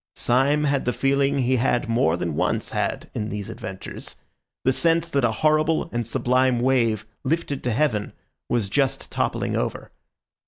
Syme had the feeling he had more than once had in these adventures—the sense that a horrible and sublime wave lifted to heaven was just toppling over.